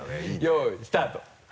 よいスタート。